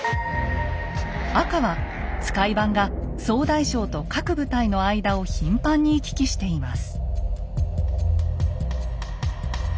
赤は使番が総大将と各部隊の間を頻繁に行き来しています。